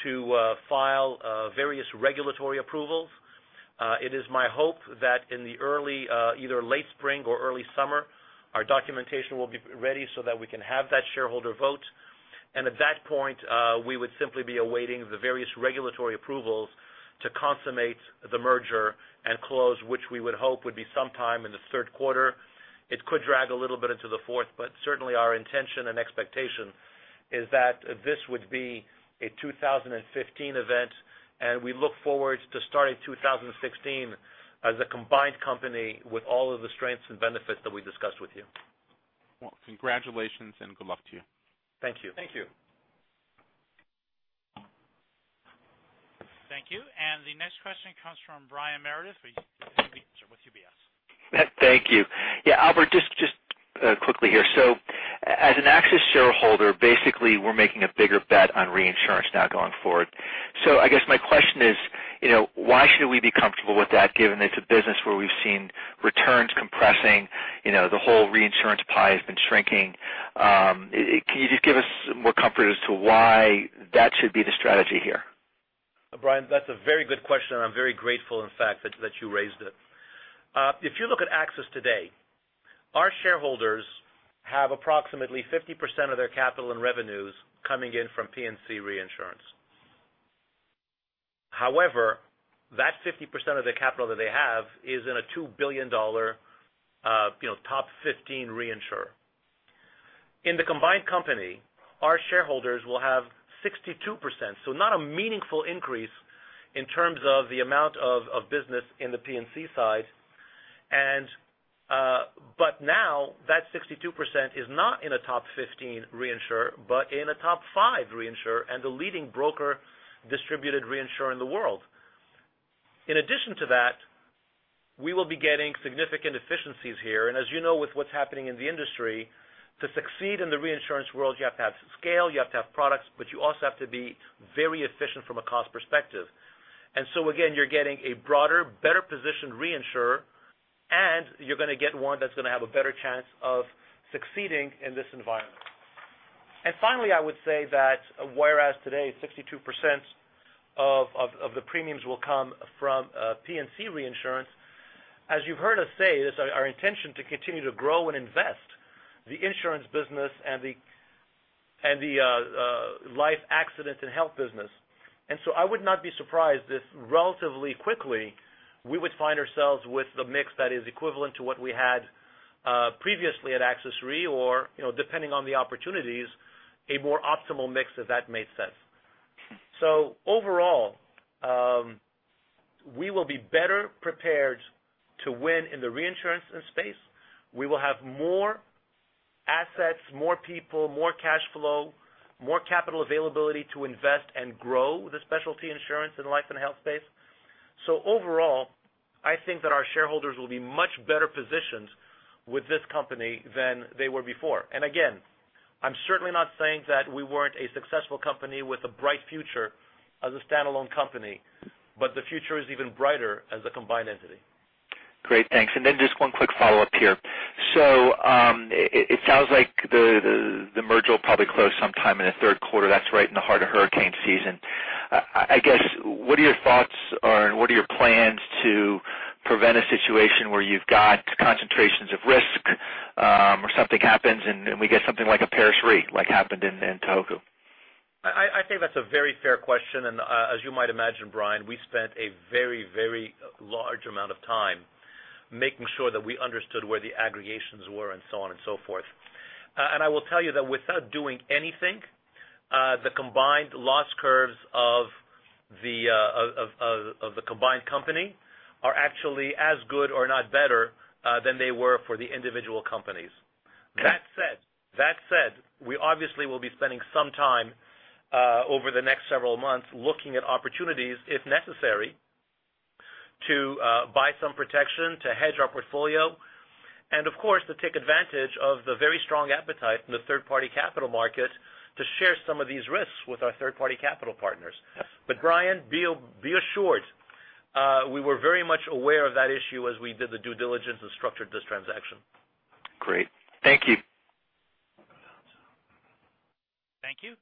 to file various regulatory approvals. It is my hope that in the early, either late spring or early summer, our documentation will be ready so that we can have that shareholder vote. At that point, we would simply be awaiting the various regulatory approvals to consummate the merger and close, which we would hope would be sometime in the third quarter. It could drag a little bit into the fourth, but certainly our intention and expectation is that this would be a 2015 event, and we look forward to starting 2016 as a combined company with all of the strengths and benefits that we discussed with you. Well, congratulations and good luck to you. Thank you. Thank you. Thank you. The next question comes from Brian Meredith with UBS. Thank you. Yeah, Albert, just quickly here. As an AXIS shareholder, basically we're making a bigger bet on reinsurance now going forward. I guess my question is why should we be comfortable with that, given it's a business where we've seen returns compressing, the whole reinsurance pie has been shrinking? Can you just give us more comfort as to why that should be the strategy here? Brian, that's a very good question. I'm very grateful, in fact, that you raised it. If you look at AXIS today, our shareholders have approximately 50% of their capital and revenues coming in from P&C reinsurance. That 50% of the capital that they have is in a $2 billion, top 15 reinsurer. In the combined company, our shareholders will have 62%. Not a meaningful increase in terms of the amount of business in the P&C side. Now that 62% is not in a top 15 reinsurer, but in a top 5 reinsurer and the leading broker distributed reinsurer in the world. In addition to that, we will be getting significant efficiencies here. As you know with what's happening in the industry, to succeed in the reinsurance world, you have to have scale, you have to have products, but you also have to be very efficient from a cost perspective. So again, you're getting a broader, better positioned reinsurer, and you're going to get one that's going to have a better chance of succeeding in this environment. Finally, I would say that whereas today 62% of the premiums will come from P&C reinsurance, as you've heard us say, it is our intention to continue to grow and invest the insurance business and the life accident and health business. So I would not be surprised if relatively quickly we would find ourselves with the mix that is equivalent to what we had previously at AXIS Re or depending on the opportunities, a more optimal mix if that made sense. Overall, we will be better prepared to win in the reinsurance space. We will have more assets, more people, more cash flow, more capital availability to invest and grow the specialty insurance and life and health space. Overall, I think that our shareholders will be much better positioned with this company than they were before. Again, I'm certainly not saying that we weren't a successful company with a bright future as a standalone company, but the future is even brighter as a combined entity. Great, thanks. Then just one quick follow-up here. So it sounds like the merger will probably close sometime in the third quarter. That's right in the heart of hurricane season. I guess, what are your thoughts or what are your plans to prevent a situation where you've got concentrations of risk, or something happens and we get something like a Paris Re, like happened in Tohoku? I think that's a very fair question, and as you might imagine, Brian, we spent a very large amount of time making sure that we understood where the aggregations were and so on and so forth. I will tell you that without doing anything, the combined loss curves of the combined company are actually as good or not better than they were for the individual companies. That said, we obviously will be spending some time over the next several months looking at opportunities, if necessary, to buy some protection, to hedge our portfolio, and of course, to take advantage of the very strong appetite from the third party capital market to share some of these risks with our third party capital partners. Brian, be assured, we were very much aware of that issue as we did the due diligence and structured this transaction. Great. Thank you. Thank you.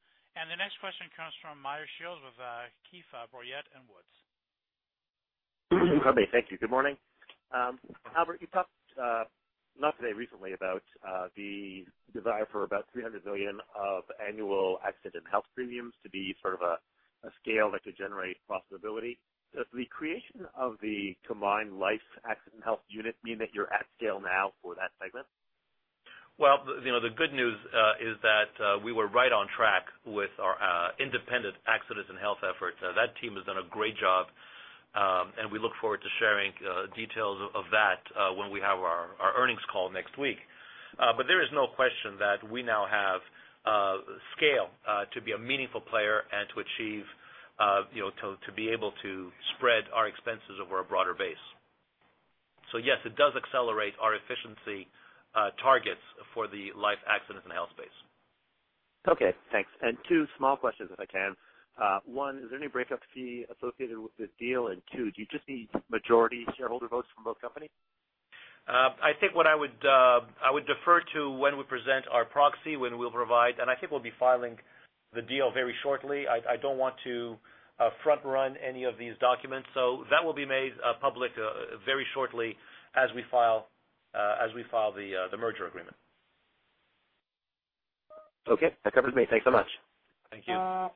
The next question comes from Meyer Shields with Keefe, Bruyette & Woods. Thank you. Good morning. Albert, you talked, not today, recently about the desire for about $300 million of annual accident health premiums to be sort of a scale that could generate profitability. Does the creation of the combined life accident health unit mean that you're at scale now for that segment? The good news is that we were right on track with our independent accidents and health efforts. That team has done a great job, we look forward to sharing details of that when we have our earnings call next week. There is no question that we now have scale to be a meaningful player and to be able to spread our expenses over a broader base. Yes, it does accelerate our efficiency targets for the life accidents and health space. Okay, thanks. Two small questions if I can. One, is there any breakup fee associated with this deal? Two, do you just need majority shareholder votes from both companies? I think what I would defer to when we present our proxy, when we'll provide, I think we'll be filing the deal very shortly. I don't want to front-run any of these documents. That will be made public very shortly as we file the merger agreement. Okay, that covers me. Thanks so much. Thank you.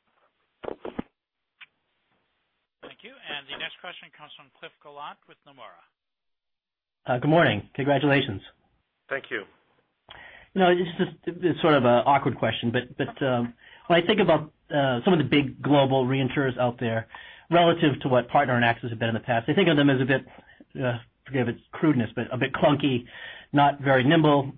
Thank you. The next question comes from Cliff Gallant with Nomura. Good morning. Congratulations. Thank you. You know, this is sort of an awkward question, but when I think about some of the big global reinsurers out there relative to what Partner and AXIS have been in the past, I think of them as a bit, forgive its crudeness, but a bit clunky, not very nimble,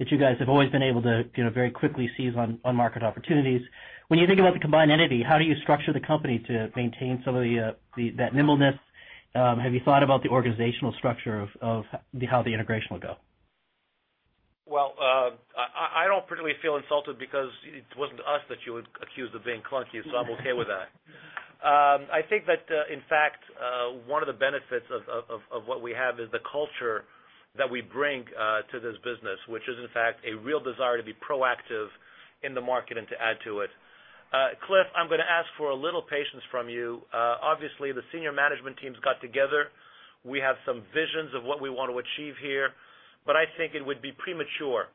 that you guys have always been able to very quickly seize on market opportunities. When you think about the combined entity, how do you structure the company to maintain some of that nimbleness? Have you thought about the organizational structure of how the integration will go? I don't particularly feel insulted because it wasn't us that you accused of being clunky, so I'm okay with that. I think that, in fact, one of the benefits of what we have is the culture that we bring to this business, which is, in fact, a real desire to be proactive in the market and to add to it. Cliff, I'm going to ask for a little patience from you. Obviously, the senior management teams got together. We have some visions of what we want to achieve here, but I think it would be premature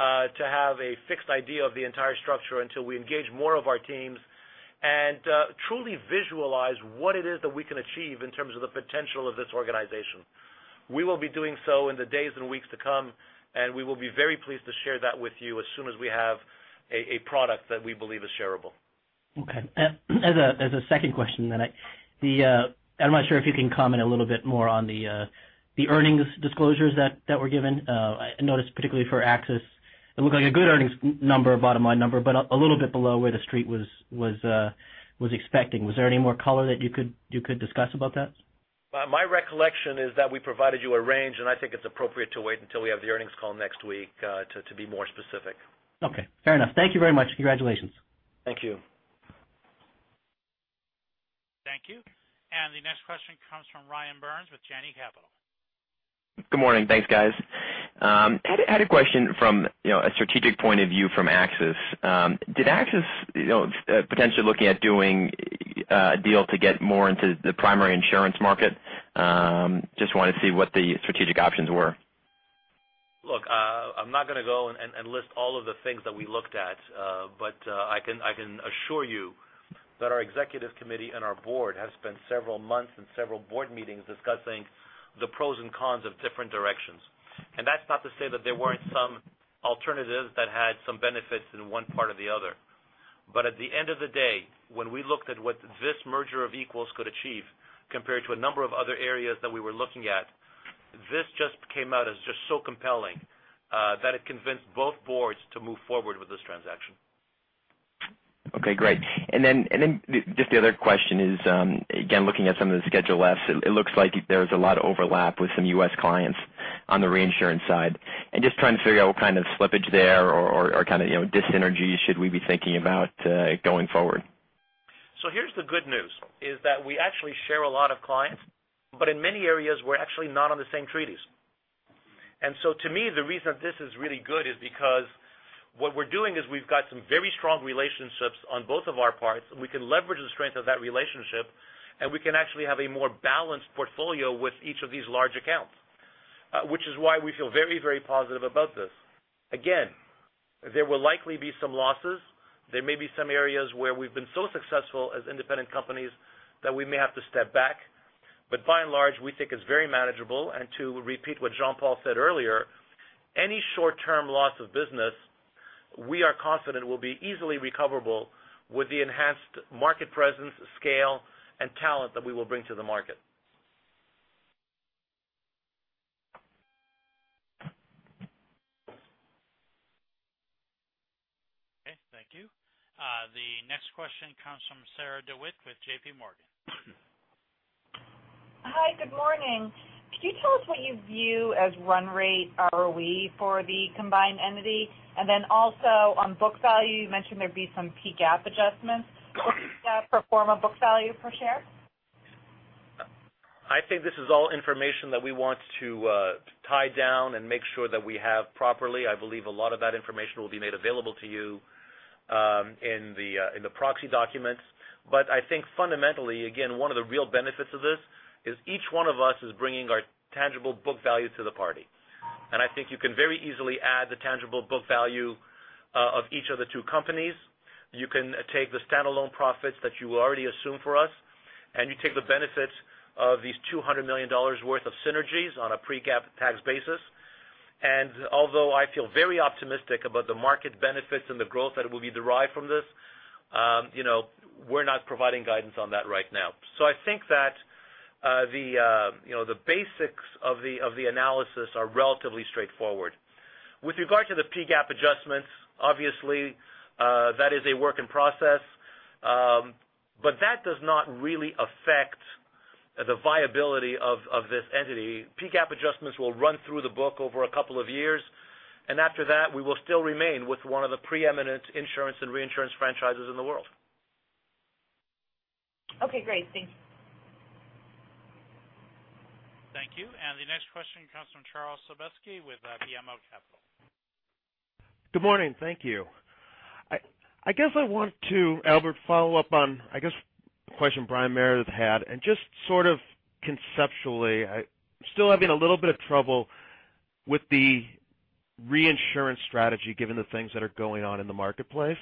to have a fixed idea of the entire structure until we engage more of our teams and truly visualize what it is that we can achieve in terms of the potential of this organization. We will be doing so in the days and weeks to come, and we will be very pleased to share that with you as soon as we have a product that we believe is shareable. As a second question, I'm not sure if you can comment a little bit more on the earnings disclosures that were given. I noticed particularly for AXIS, it looked like a good earnings number, bottom-line number, but a little bit below where the street was expecting. Was there any more color that you could discuss about that? My recollection is that we provided you a range, and I think it's appropriate to wait until we have the earnings call next week to be more specific. Okay, fair enough. Thank you very much. Congratulations. Thank you. Thank you. The next question comes from Ryan Burns with Janney Capital. Good morning. Thanks, guys. I had a question from a strategic point of view from AXIS. Did AXIS potentially looking at doing a deal to get more into the primary insurance market? Just wanted to see what the strategic options were. I'm not going to go and list all of the things that we looked at but I can assure you that our executive committee and our board have spent several months and several board meetings discussing the pros and cons of different directions. That's not to say that there weren't some alternatives that had some benefits in one part or the other. At the end of the day, when we looked at what this merger of equals could achieve compared to a number of other areas that we were looking at, this just came out as just so compelling that it convinced both boards to move forward with this transaction. Okay, great. Just the other question is again looking at some of the Schedule F, it looks like there's a lot of overlap with some U.S. clients on the reinsurance side. Just trying to figure out what kind of slippage there or kind of dyssynergies should we be thinking about going forward. Here's the good news, is that we actually share a lot of clients, but in many areas, we're actually not on the same treaties. To me, the reason that this is really good is because what we're doing is we've got some very strong relationships on both of our parts, and we can leverage the strength of that relationship, and we can actually have a more balanced portfolio with each of these large accounts, which is why we feel very, very positive about this. Again, there will likely be some losses. There may be some areas where we've been so successful as independent companies that we may have to step back. By and large, we think it's very manageable. To repeat what Jean-Paul said earlier, any short-term loss of business, we are confident will be easily recoverable with the enhanced market presence, scale, and talent that we will bring to the market. Okay, thank you. The next question comes from Sarah DeWitt with JP Morgan. Hi, good morning. Could you tell us what you view as run rate ROE for the combined entity? Also on book value, you mentioned there'd be some PGAAP adjustments. Could you pro form a book value per share? I think this is all information that we want to tie down and make sure that we have properly. I believe a lot of that information will be made available to you in the proxy documents. I think fundamentally, again, one of the real benefits of this is each one of us is bringing our tangible book value to the party. I think you can very easily add the tangible book value of each of the two companies. You can take the standalone profits that you already assume for us, you take the benefits of these $200 million worth of synergies on a pre-tax basis. Although I feel very optimistic about the market benefits and the growth that will be derived from this, we're not providing guidance on that right now. I think that the basics of the analysis are relatively straightforward. With regard to the PGAAP adjustments, obviously that is a work in process. That does not really affect the viability of this entity. PGAAP adjustments will run through the book over a couple of years, and after that, we will still remain with one of the preeminent insurance and reinsurance franchises in the world. Okay, great. Thank you. Thank you. The next question comes from Charles Sebaski with BMO Capital. Good morning. Thank you. Albert, follow up on the question Brian Meredith had, just conceptually, I'm still having a little bit of trouble with the reinsurance strategy, given the things that are going on in the marketplace.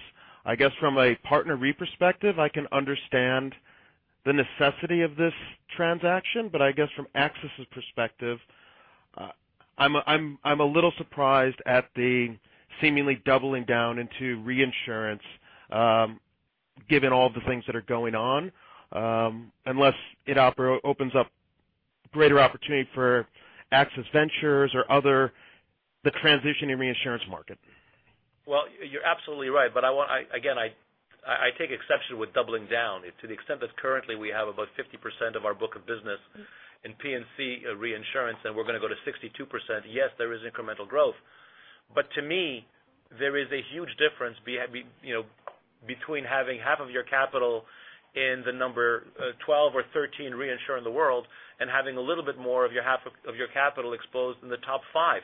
I guess from a PartnerRe perspective, I can understand the necessity of this transaction. But I guess from AXIS' perspective, I'm a little surprised at the seemingly doubling down into reinsurance, given all the things that are going on, unless it opens up greater opportunity for AXIS Ventures or the transition in reinsurance market. You're absolutely right. Again, I take exception with doubling down to the extent that currently we have about 50% of our book of business in P&C reinsurance, we're going to go to 62%. Yes, there is incremental growth. To me, there is a huge difference between having half of your capital in the number 12 or 13 reinsurer in the world and having a little bit more of your half of your capital exposed in the top five.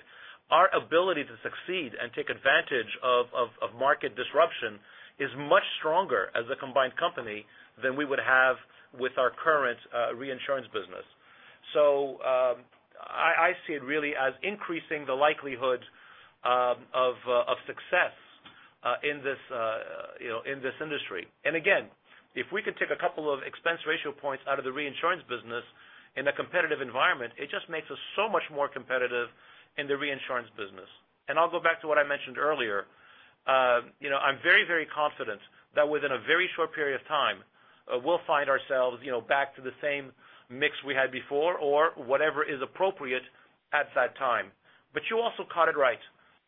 Our ability to succeed and take advantage of market disruption is much stronger as a combined company than we would have with our current reinsurance business. I see it really as increasing the likelihood of success in this industry. If we could take a couple of expense ratio points out of the reinsurance business in a competitive environment, it just makes us so much more competitive in the reinsurance business. I'll go back to what I mentioned earlier. I'm very, very confident that within a very short period of time, we'll find ourselves back to the same mix we had before or whatever is appropriate at that time. You also caught it right.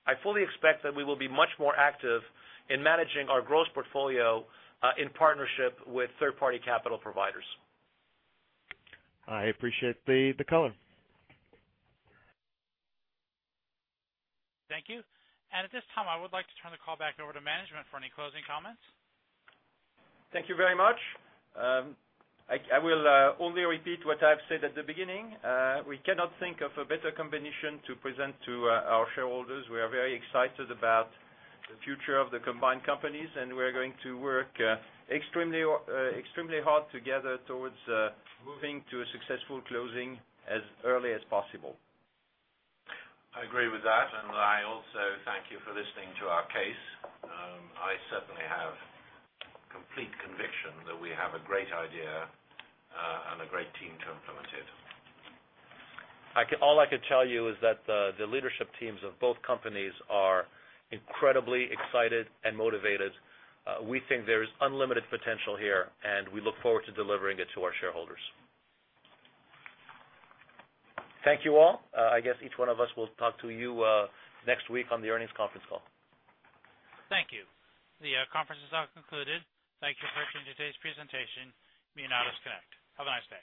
I fully expect that we will be much more active in managing our gross portfolio in partnership with third-party capital providers. I appreciate the color. Thank you. At this time, I would like to turn the call back over to management for any closing comments. Thank you very much. I will only repeat what I've said at the beginning. We cannot think of a better combination to present to our shareholders. We are very excited about the future of the combined companies, and we're going to work extremely hard together towards moving to a successful closing as early as possible. I agree with that. I also thank you for listening to our case. I certainly have complete conviction that we have a great idea and a great team to implement it. All I can tell you is that the leadership teams of both companies are incredibly excited and motivated. We think there is unlimited potential here. We look forward to delivering it to our shareholders. Thank you, all. I guess each one of us will talk to you next week on the earnings conference call. Thank you. The conference is now concluded. Thank you for attending today's presentation, you may now disconnect. Have a nice day.